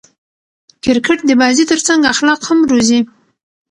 کرکټ د بازي ترڅنګ اخلاق هم روزي.